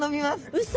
うそ！